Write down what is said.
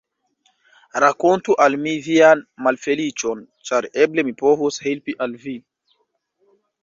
Rakontu al mi vian malfeliĉon, ĉar eble mi povos helpi al vi.